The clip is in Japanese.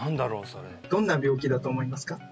それどんな病気だと思いますか？